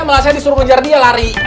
malah saya disuruh ngejar dia lari